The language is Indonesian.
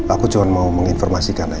aku cuma mau menginformasikan aja